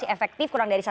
efektif kurang dari satu